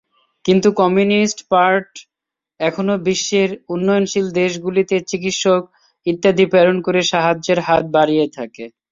কিন্তু communist party এখনও বিশ্বের উন্নয়নশীল দেশগুলিতে চিকিৎসক, ইত্যাদি প্রেরণ করে সাহায্যের হাত বাড়িয়ে থাকে।